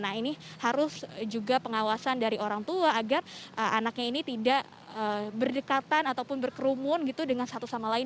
nah ini harus juga pengawasan dari orang tua agar anaknya ini tidak berdekatan ataupun berkerumun gitu dengan satu sama lain